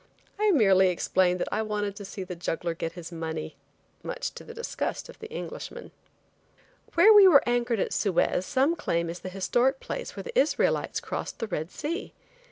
I merely explained that I wanted to see the juggler get his money, much to the disgust of the Englishman. Where we anchored at Suez some claim is the historic place where the Israelites crossed the Red Sea.